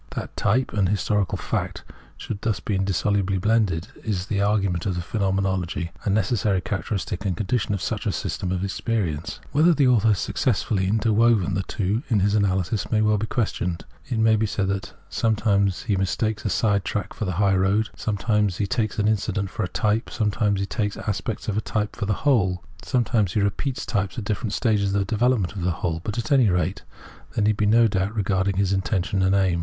That type and historical fact should thus be indissolubly blended in the argument of the Phenomenology is a necessary characteristic and condition of such a system of ex perience. Whether the author has successfully inter W(5ven the two in his analysis may well be questioned. It may be said that sometimes he mistakes a side track for the high road, sometimes takes an incident for a t^^pe, sometimes takes aspects of a type for the whole xxiv Translator's Introduction type, sometimes repeats types at different stages of the development of the whole. But at any rate there need be no doubt regarding his intention and aim.